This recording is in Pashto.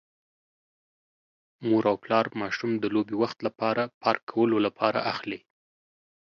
مور او پلار ماشوم د لوبې وخت لپاره پارک کولو لپاره اخلي.